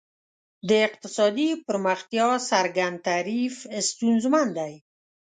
د اقتصادي پرمختیا څرګند تعریف ستونزمن دی.